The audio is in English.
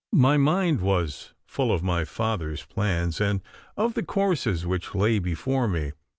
My mind was full of my father's plans and of the courses which lay before me.